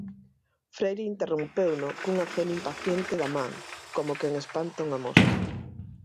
Freire interrompeuno cun aceno impaciente da man, como quen espanta unha mosca.